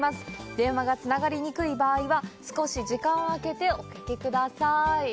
電話がつながりにくい場合は少し時間をあけておかけください。